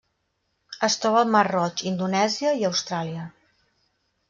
Es troba al Mar Roig, Indonèsia i Austràlia.